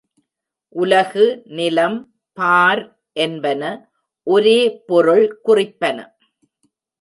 உலகு, நிலம், பார் என்பன ஒரே பொருள் குறிப்பன.